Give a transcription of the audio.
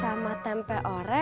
apa lebih bagus dari